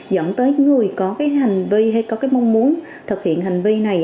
dẫn tới những người có cái hành vi hay có cái mong muốn thực hiện hành vi này